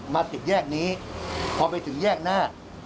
มาถึงแยกนี้พอไปถึงแยกหน้า